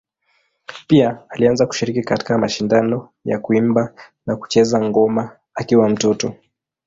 Pia alianza kushiriki katika mashindano ya kuimba na kucheza ngoma akiwa mtoto.